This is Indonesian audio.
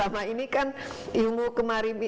karena selama ini kan ilmu kemaritiman itu